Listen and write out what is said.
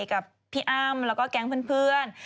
กับพี่อ้ำแล้วก็แก๊งเพื่อน